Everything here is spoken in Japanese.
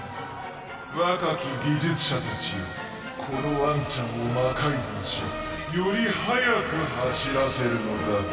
若き技術者たちよこのワンちゃんを魔改造しより速く走らせるのだ。